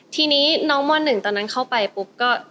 ทีนี้น้องม๑ตอนนั้นเข้าไปปุ๊บก็